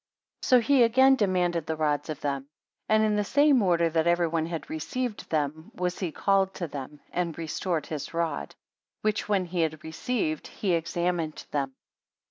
5 So he again demanded the rods of them; and in the same order that every one had received them, was he called to him, and restored his rod; which when he had received, he examined them.